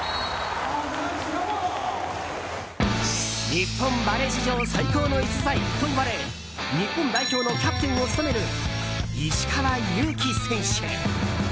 日本バレー史上最高の逸材といわれ日本代表のキャプテンを務める石川祐希選手。